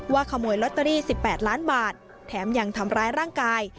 ขโมยลอตเตอรี่๑๘ล้านบาทแถมยังทำร้ายร่างกาย